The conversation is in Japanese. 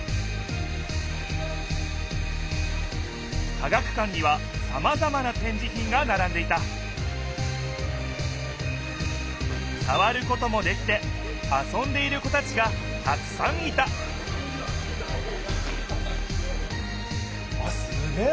科学館にはさまざまなてんじひんがならんでいたさわることもできてあそんでいる子たちがたくさんいたあっすげえ！